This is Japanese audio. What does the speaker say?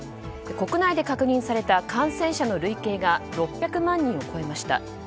国内で確認された感染者の累計が６００万人を超えました。